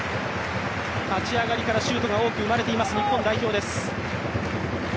立ち上がりからシュートが多く生まれています日本代表です。